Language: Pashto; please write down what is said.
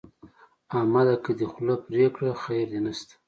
احمد ده که دې خوله پرې کړه؛ خير دې نه شته.